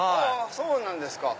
そうなんですか。